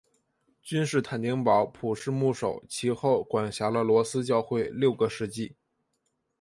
君士坦丁堡普世牧首其后管辖了罗斯教会六个世纪。